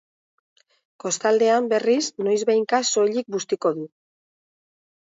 Kostaldean, berriz, noizbehinka soilik bustiko du.